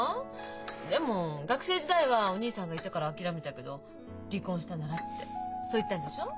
でも学生時代はお義兄さんがいたから諦めたけど離婚したならってそう言ったんでしょう？